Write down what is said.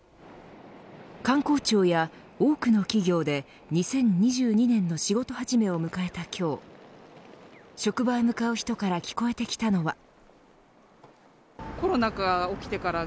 官公庁や多くの企業で２０２２年の仕事始めを迎えた今日職場へ向かう人から聞こえてきたのは。